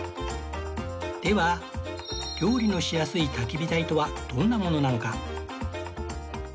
では料理のしやすい焚き火台とはどんなものなのか？